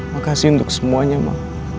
makasih untuk semuanya ma